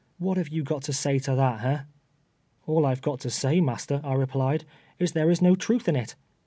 What have you got to say to that, ha ?" "All I've fi^ot to say, master,'" J replied, "is, there is no truth in it.